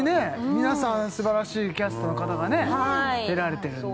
皆さん素晴らしいキャストの方がね出られてるんでね